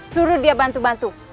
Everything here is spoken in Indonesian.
suruh dia bantu bantu